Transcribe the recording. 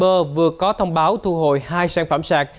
hordsmon vừa có thông báo vừa thu hồi hai sản phẩm sạc